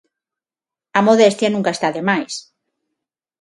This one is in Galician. A modestia nunca está de máis.